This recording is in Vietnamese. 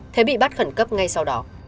thế bị bắt khẩn cấp ngay sau đó